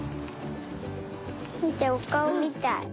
みておかおみたい。